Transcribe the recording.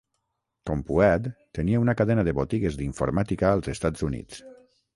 CompuAdd tenia una cadena de botigues d'informàtica als Estats Units.